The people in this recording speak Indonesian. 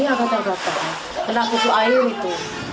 ini agak agak gatal karena kutu air itu